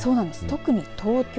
特に東京。